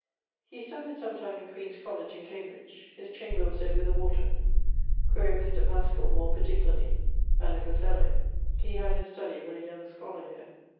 He studied sometime in Queens Colledge in Cambridge: his chamber was over the water. Quaere Mr. Paschal more particularly; and if a fellowe: he had his study when a young scholar here.